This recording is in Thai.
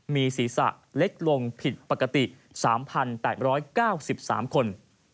มีศีรษะเล็กลงผิดปกติ๓๘๙๓คน